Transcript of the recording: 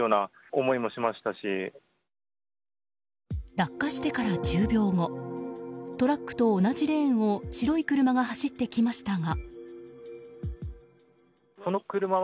落下してから１０秒後トラックと同じレーンを白い車が走ってきましたが。